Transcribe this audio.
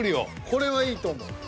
これはいいと思う。